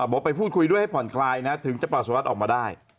บอกไปพูดคุยด้วยให้ผ่อนคลายนะถึงจะปลัสออกมาได้